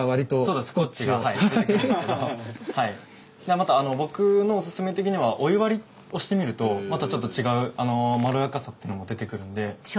また僕のおすすめ的にはお湯割りをしてみるとまたちょっと違うまろやかさっていうのも出てくるんで。